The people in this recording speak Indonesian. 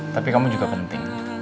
tapi kamu juga penting